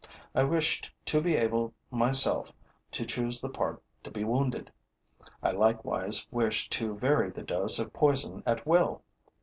I wished to be able myself to choose the part to be wounded; I likewise wished to vary the dose of poison at will.